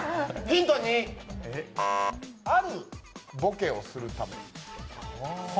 ヒント２、あるボケをするため。